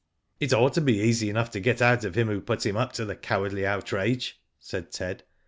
It ought to be easy enough to get out of him who put him up to the cowardly outrage," said Ted.